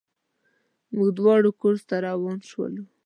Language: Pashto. موږ دواړه کورس ته روان شولو.